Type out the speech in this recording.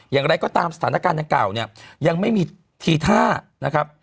อย่างไรก็ตามสถานการณ์ดังกล่าวเนี่ยยังไม่มีทีท่านะครับ